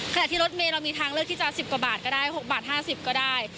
ขณะที่รถเมย์เรามีทางเลือกที่จะ๑๐กว่าบาทก็ได้๖บาท๕๐ก็ได้